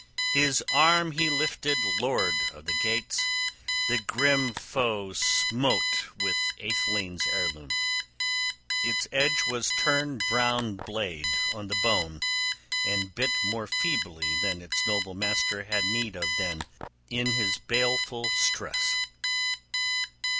His arm he lifted lord of the Geats, the grim foe smote with atheling's heirloom. Its edge was turned brown blade, on the bone, and bit more feebly than its noble master had need of then in his baleful stress.